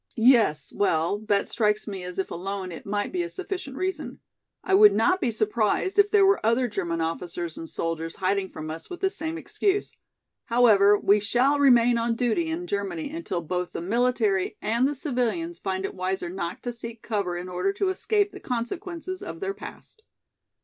"Yes, well, that strikes me as if alone it might be a sufficient reason. I would not be surprised if there were other German officers and soldiers hiding from us with this same excuse. However, we shall remain on duty in Germany until both the military and the civilians find it wiser not to seek cover in order to escape the consequences of their past."